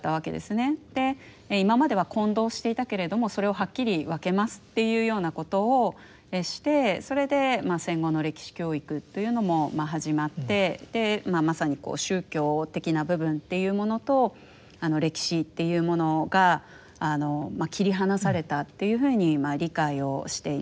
今までは混同していたけれどもそれをはっきり分けますというようなことをしてそれで戦後の歴史教育というのも始まってまさにこう宗教的な部分っていうものと歴史っていうものが切り離されたというふうに理解をしています。